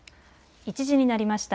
１時になりました。